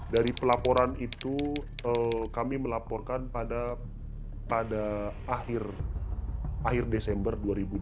dari pelaporan itu kami melaporkan pada akhir desember dua ribu dua puluh